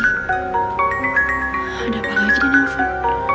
ada apa lagi dengan alvin